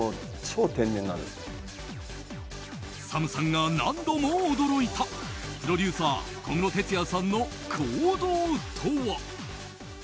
ＳＡＭさんが何度も驚いたプロデューサー小室哲哉さんの行動とは。